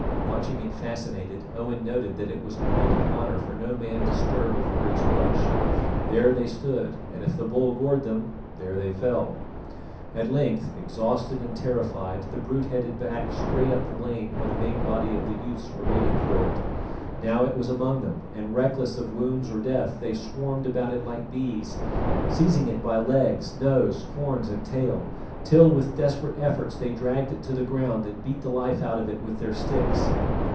Watching it fascinated, Owen noted that it was a point of honour for no man to stir before its rush; there they stood, and if the bull gored them, there they fell. At length, exhausted and terrified, the brute headed back straight up the lane where the main body of the youths were waiting for it. Now it was among them, and, reckless of wounds or death, they swarmed about it like bees, seizing it by legs, nose, horns and tail, till with desperate efforts they dragged it to the ground and beat the life out of it with their sticks.